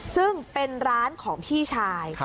ซึ่งเป็นร้านของพี่ชาย